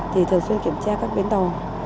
thì thường xuyên kiểm tra các bến đỏ